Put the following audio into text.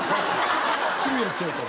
すぐやっちゃうから。